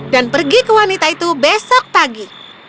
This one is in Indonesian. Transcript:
dan pergi ke wanita itu besok pagi